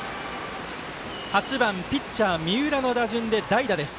８番ピッチャー、三浦の打順で代打です。